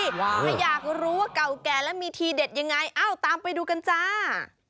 ถ้าอยากรู้ว่าเก่าแก่และมีทีเด็ดยังไงเอ้าตามไปดูกันจ้า